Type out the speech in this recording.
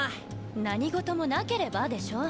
何事もなければでしょ。